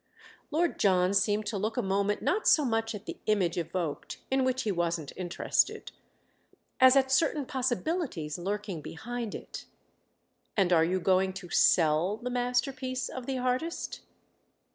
Lord John seemed to look a moment not so much at the image evoked, in which he wasn't interested, as at certain possibilities lurking behind it. "And are you going to sell the masterpiece of the artist?"